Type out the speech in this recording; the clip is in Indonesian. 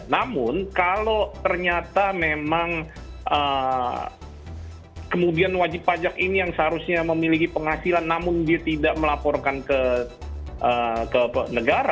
namun kalau ternyata memang kemudian wajib pajak ini yang seharusnya memiliki penghasilan namun dia tidak melaporkan ke negara